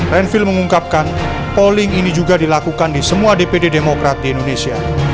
renvil mengungkapkan polling ini juga dilakukan di semua dpd demokrat di indonesia